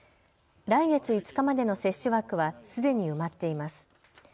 来月５日までの接種枠はすでに埋まっています。